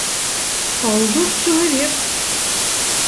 А ўжо ж чалавек!